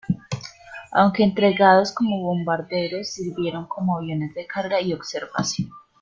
Aunque entregados como bombarderos, sirvieron como aviones de carga y observación.